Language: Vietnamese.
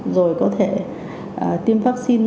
rồi có thể tiêm vaccine